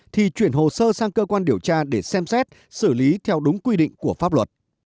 thì chuyển hồ sơ sang cơ quan điều tra để xem xét xử lý theo đúng quy định của pháp luật